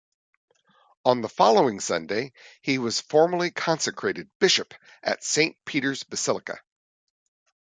On the following Sunday, he was formally consecrated bishop at Saint Peter's Basilica.